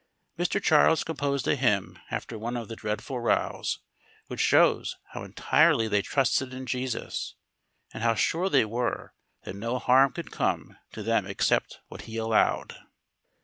Mr. Charles composed a hymn after one of the dreadful rows, which shows how entirely they trusted in Jesus, and how sure they were that no harm could come to them except what He allowed.